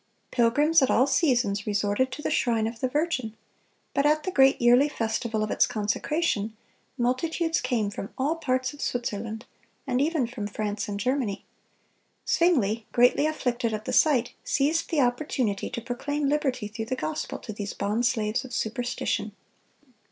(246) Pilgrims at all seasons resorted to the shrine of the Virgin, but at the great yearly festival of its consecration, multitudes came from all parts of Switzerland, and even from France and Germany. Zwingle, greatly afflicted at the sight, seized the opportunity to proclaim liberty through the gospel to these bond slaves of superstition.